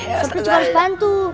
ya sobrir juga harus bantu